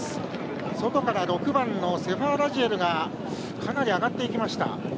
外から６番セファーラジエルがかなり上がっていきました。